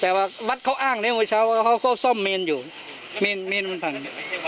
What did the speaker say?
แต่ว่าวัดเขาอ้างเรียกว่าเช้าเขาก็ซ่อมเมนอยู่เมนมันพัง